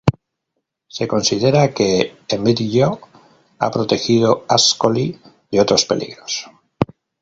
Se considera que Emigdio ha protegido Ascoli de otros peligros.